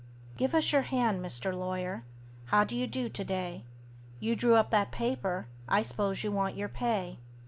"GIVE US YOUR HAND, MR. LAWYER: HOW DO YOU DO TO DAY?" You drew up that paper I s'pose you want your pay.